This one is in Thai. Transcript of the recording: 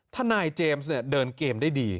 ทนายเจมส์เนี่ยเดินเกมได้ดี